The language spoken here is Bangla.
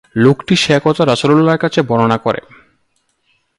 লোকটি সে কথা রাসূলুল্লাহর কাছে বর্ণনা করে।